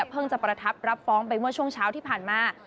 จะประทับรับฟ้องไปเมื่อช่วงเช้าที่ผ่านมา